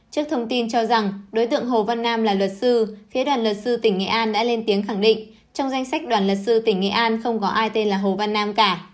trước thông tin cho rằng đối tượng hồ văn nam là luật sư phía đoàn luật sư tỉnh nghệ an đã lên tiếng khẳng định trong danh sách đoàn luật sư tỉnh nghệ an không có ai tên là hồ văn nam cả